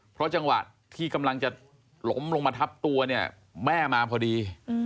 เพราะจังหวะที่กำลังจะล้มลงมาทับตัวเนี่ยแม่มาพอดี